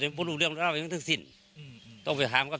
วันนี้บุ๋นวูนเรื่องเท่านั้นเรามันยังตั้งสิทธิ์อืมอืม